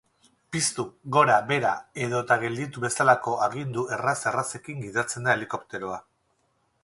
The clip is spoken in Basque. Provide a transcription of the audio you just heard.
Piztu, gora, behera edota gelditu bezalako agindu erraz-errazekin gidatzen da helikopteroa.